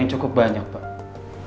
kalo itu kacau banget